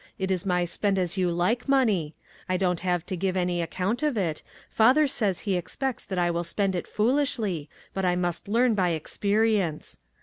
It is my spend as you like money. I don't have to give any account of it. Father says he expects that I will spend it foolishly, but I must learn by experience.